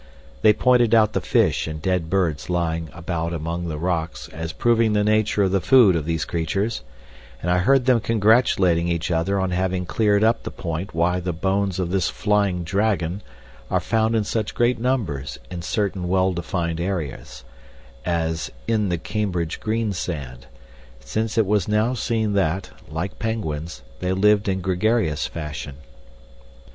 They pointed out the fish and dead birds lying about among the rocks as proving the nature of the food of these creatures, and I heard them congratulating each other on having cleared up the point why the bones of this flying dragon are found in such great numbers in certain well defined areas, as in the Cambridge Green sand, since it was now seen that, like penguins, they lived in gregarious fashion.